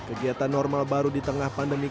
kegiatan normal baru di tengah pandemi